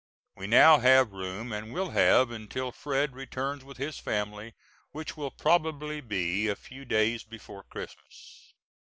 We now have room, and will have until Fred. returns with his family, which will probably be a few days before Christmas.